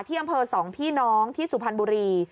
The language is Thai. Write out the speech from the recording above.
อำเภอสองพี่น้องที่สุพรรณบุรี